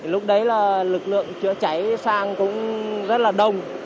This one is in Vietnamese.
lúc đấy là lực lượng chữa cháy sang cũng rất là đông